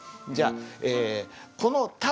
じゃあこのえっ？